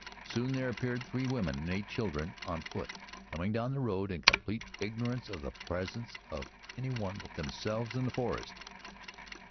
Soon there appeared three women and eight children on foot, coming down the road in complete ignorance of the presence of any one but themselves in the forest.